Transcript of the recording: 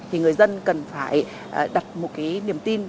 thì người dân cần phải đặt một cái niềm tin